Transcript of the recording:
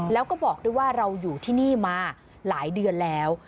แล้วก็บอกด้วยว่าเราอยู่ที่นี่มาหลายเดือนแล้ว